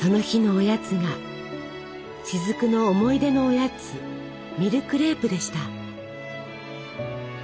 その日のおやつが雫の思い出のおやつミルクレープでした。